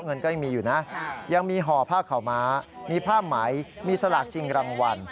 เงินก็ยังมีอยู่นะยังมีห่อผ้าข่าวม้ามีผ้าไหมมีสลากชิงรางวัล